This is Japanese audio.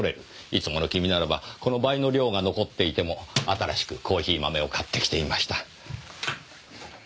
いつもの君ならばこの倍の量が残っていても新しくコーヒー豆を買ってきていました。